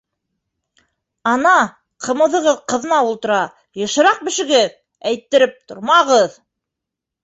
— Ана, ҡымыҙығыҙ ҡыҙнап ултыра, йышыраҡ бешегеҙ, әйттереп тормағыҙ!